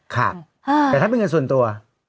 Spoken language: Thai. ค่ะแต่ถ้าเป็นเงินส่วนตัว